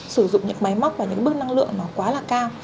sử dụng những máy móc và những bước năng lượng nó quá là cao